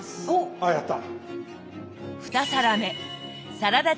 あやった！